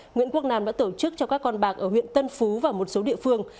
nguyễn quốc nam đã tổ chức cho các con bạc ở huyện tân phú và một số địa phương